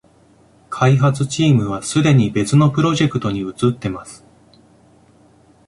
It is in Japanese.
開発チームはすでに別のプロジェクトに移ってます